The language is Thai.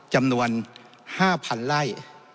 จำนวน๕๐๐๐ไร่